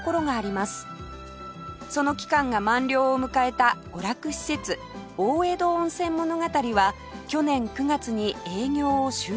その期間が満了を迎えた娯楽施設大江戸温泉物語は去年９月に営業を終了